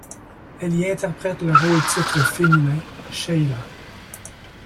Elle y interprète le rôle-titre féminin, Sheila.